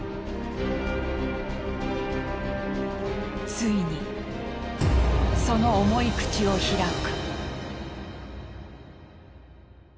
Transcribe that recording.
ついにその重い口を開く。